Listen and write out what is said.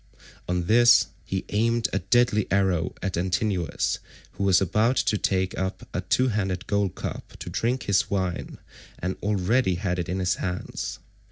On this he aimed a deadly arrow at Antinous, who was about to take up a two handled gold cup to drink his wine and already had it in his hands.